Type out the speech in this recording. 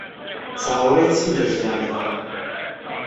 چاوەڕێی چی لە ژیان دەکەم؟